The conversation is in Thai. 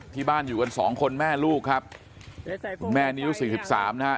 ที่บ้านอยู่กันสองคนแม่ลูกครับคุณแม่นิ้วสี่สิบสามนะฮะ